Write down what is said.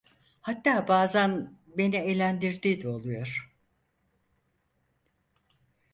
Hatta bazan beni eğlendirdiği de oluyor…